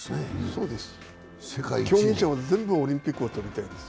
そうです、競技者は全部オリンピックを取りたいんです。